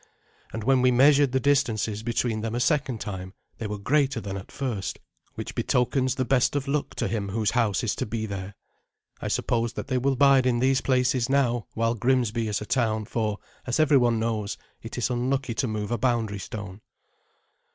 And when we measured the distances between them a second time they were greater than at first, which betokens the best of luck to him whose house is to be there. I suppose that they will bide in these places now while Grimsby is a town, for, as every one knows, it is unlucky to move a boundary stone.